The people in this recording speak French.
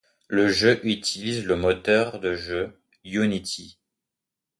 Le jeu utilise le moteur de jeu Unity.